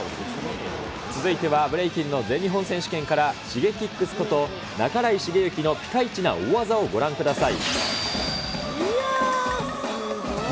続いてはブレイキンの全日本選手権からシゲキックスこと、半井重幸のピカイチな大技をご覧ください。